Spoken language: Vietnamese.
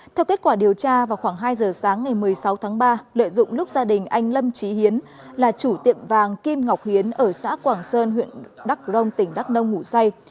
theo kết quả điều tra vào khoảng hai giờ sáng ngày một mươi sáu tháng ba lợi dụng lúc gia đình anh lâm trí hiến là chủ tiệm vàng kim ngọc hiến ở xã quảng sơn huyện đắk long tỉnh đắk nông ngủ say